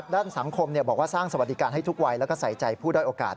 ด้านสังคมบอกว่าสร้างสวัสดิการให้ทุกวัยแล้วก็ใส่ใจผู้ด้อยโอกาส